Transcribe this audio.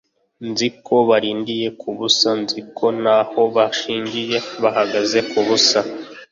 nzi ko barindiye ku busa: nzi ko nta ntaho bashingiye, bahagaze ku busa